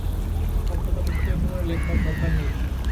সব কথা বিস্তারিত করে লেখবার দরকার নেই।